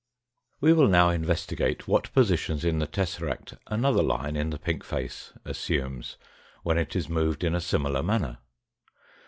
We will now investigate what positions in the tesseract another line in the pink face assumes when it is moved in a similar manner.